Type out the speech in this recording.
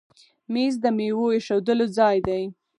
مېز د میوو ایښودلو ځای دی.